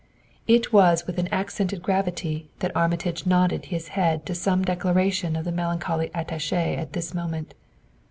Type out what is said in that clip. It was with an accented gravity that Armitage nodded his head to some declaration of the melancholy attaché at this moment.